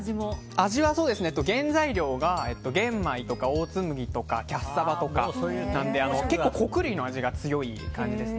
原材料が玄米とかオーツ麦とかキャッサバとかなので結構、穀類の味が強い感じです。